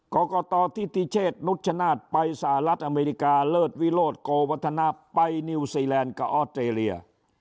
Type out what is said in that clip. กรกตทิติเชษนุชชนาธิ์ไปสหรัฐอเมริกาเลิศวิโรธโกวัฒนาไปนิวซีแลนด์กับออสเตรเลีย